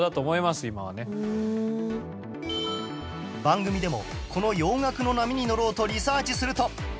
番組でもこの洋楽の波に乗ろうとリサーチすると